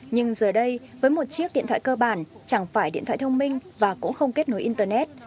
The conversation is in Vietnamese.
nhưng giờ đây với một chiếc điện thoại cơ bản chẳng phải điện thoại thông minh và cũng không kết nối internet